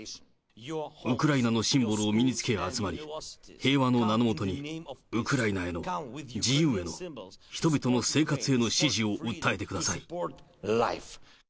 ウクライナのシンボルを身に着け集まり、平和の名の下にウクライナへの、自由への、人々の生活への支持を訴えてください。